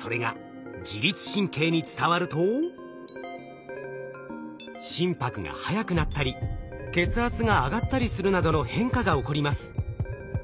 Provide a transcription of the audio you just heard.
それが自律神経に伝わると心拍が速くなったり血圧が上がったりするなどの変化が起こります。